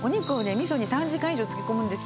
味噌に３時間以上漬け込むんですよ